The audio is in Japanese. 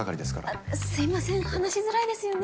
あっすいません話しづらいですよね。